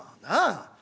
なあ。